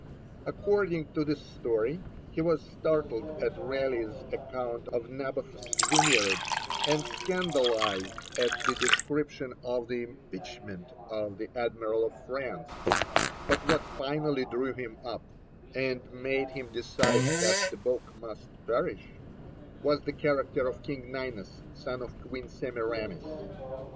According to this story, he was startled at Raleigh's account of Naboth's Vineyard, and scandalised at the description of the impeachment of the Admiral of France; but what finally drew him up, and made him decide that the book must perish, was the character of King Ninias, son of Queen Semiramis.